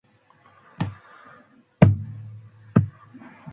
Shëcten nidte bednu